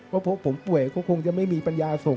พบผมป่วยก็คงจะไม่มีปัญญาส่ง